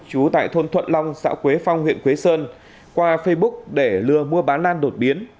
chú tại thôn thuận long xã quế phong huyện quế sơn qua facebook để lừa mua bán lan đột biến